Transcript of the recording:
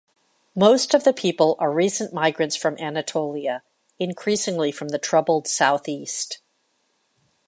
Most of the people are recent migrants from Anatolia, increasingly from the troubled south-east.